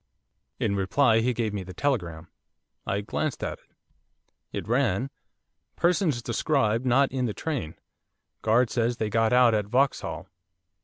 In reply he gave me the telegram. I glanced at it. It ran: 'Persons described not in the train. Guard says they got out at Vauxhall.